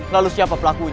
lalu siapa pelakunya